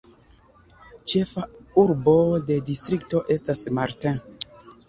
Ĉefa urbo de distrikto estas Martin.